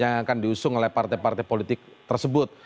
yang akan diusung oleh partai partai politik tersebut